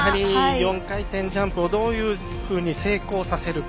４回転ジャンプをどういうふうに成功させるか。